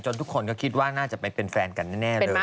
ทุกคนก็คิดว่าน่าจะไปเป็นแฟนกันแน่เลย